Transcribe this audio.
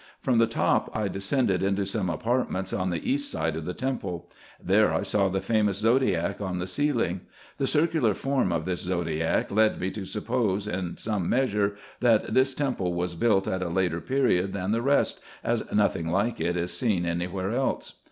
From the top I descended into some apartments on the east side of the temple. There I saw the famous zodiac on the ceiling. The circular form of this zodiac led me to suppose, in some measure, that this temple was built at a later period than the rest, as nothing like it is seen any where else.